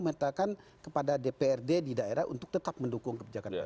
minta kan kepada dprd di daerah untuk tetap mendukung